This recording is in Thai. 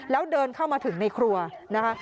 แล้วเดินเข้ามาถึงในครัวนะคะ